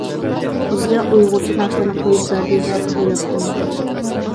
بىزگە ئۇيغۇرچە ناخشىلارنى قويۇپ بەردى دەپ ئويلاپتىمەن.